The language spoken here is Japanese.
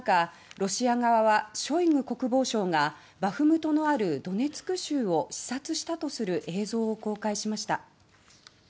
ロシア側はショイグ国防相がバフムトのあるドネツク州を視察したとする映像を公開しました。